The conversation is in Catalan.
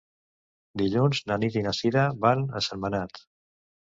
Dilluns na Nit i na Cira van a Sentmenat.